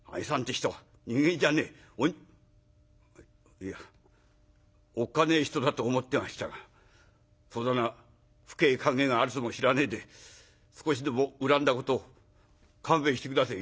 いやおっかねえ人だと思ってましたがそだな深え考えがあるとも知らねえで少しでも恨んだことを勘弁して下せえ」。